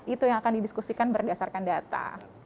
itu yang akan didiskusikan berdasarkan data